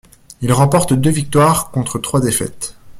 Il remporte deux victoires contre trois défaites.